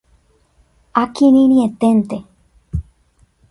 Akirirĩeténte